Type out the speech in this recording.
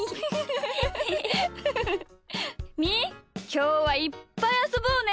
きょうはいっぱいあそぼうね。